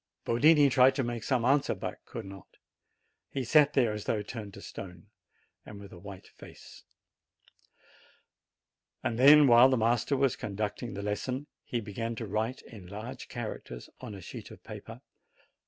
Yotini tried to make some answer, but could not ; he sat there as though turned to stone, and with a white face. Then, while the master was conducting the lesson, he began to write in large characters on a sheet of paper.